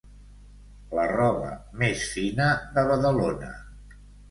La roba més fina de Badalona.